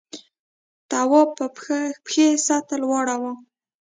تواب په پښې سطل واړاوه.